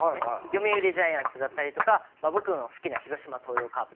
読売ジャイアンツだったりとか僕の好きな広島東洋カープだったり。